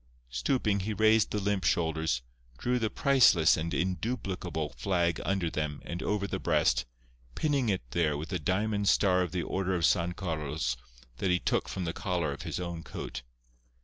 Stooping he raised the limp shoulders, drew the priceless and induplicable flag under them and over the breast, pinning it there with the diamond star of the Order of San Carlos that he took from the collar of his own coat.